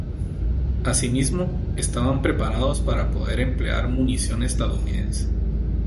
Así mismo, estaban preparados para poder emplear munición estadounidense.